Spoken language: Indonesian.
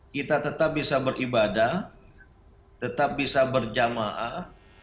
kita tetap bisa beribadah tetap bisa berjamaah